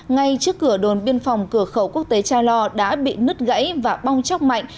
ngay trước cửa đồn biên phòng cửa khẩu quốc tế cha lo đã bị nứt gãy và bong chóc mạnh